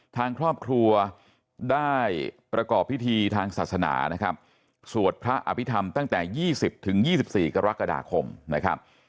ทางครอบครัวได้ประกอบพิธีทางศาสนานะครับสวดพระอภิษฐรรมตั้งแต่๒๐๒๔กรกฎาคมนะครับ